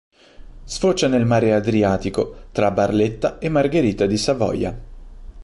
Sfocia nel mare Adriatico, tra Barletta e Margherita di Savoia.